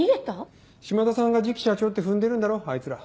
島田さんが次期社長って踏んでるんだろあいつら。